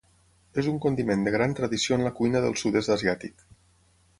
És un condiment de gran tradició en la cuina del sud-est asiàtic.